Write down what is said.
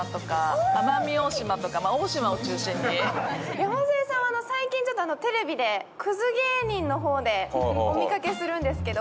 山添さんは最近テレビでクズ芸人の方でお見かけするんですけど。